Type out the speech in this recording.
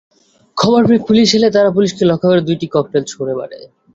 খবর পেয়ে পুলিশ এলে তারা পুলিশকে লক্ষ্য করে দুইটি ককটেল ছোড়ে মারে।